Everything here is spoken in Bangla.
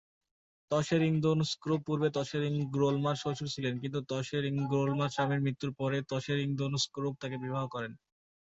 ত্শে-রিং-দোন-স্গ্রুব পূর্বে ত্শে-রিং-স্গ্রোল-মার শ্বশুর ছিলেন কিন্ত ত্শে-রিং-স্গ্রোল-মার স্বামীর মৃত্যুর পরে ত্শে-রিং-দোন-স্গ্রুব তাকে বিবাহ করেন।